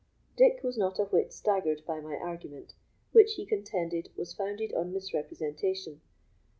Dick was not a whit staggered by my argument, which he contended was founded on misrepresentation.